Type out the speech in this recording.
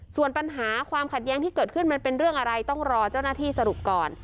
ส่วนปัญหาความขัดแย้งที่เกิดขึ้นมันเป็นเรื่องอะไรต้องรอเจ้าหน้าที่สรุปก่อน